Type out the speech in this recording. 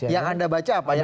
yang anda baca apa ya